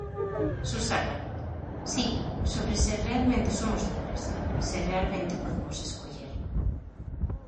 Susana: Si, sobre se realmente somos libres, se realmente podemos escoller.